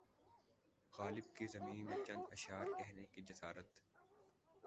غالب کی زمین میں چند اشعار کہنے کی جسارت